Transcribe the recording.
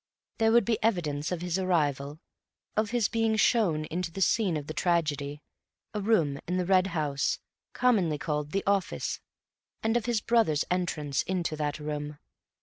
There would be evidence of his arrival, of his being shown into the scene of the tragedy—a room in the Red House, commonly called "the office"—and of his brother's entrance into that room.